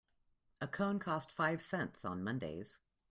A cone costs five cents on Mondays.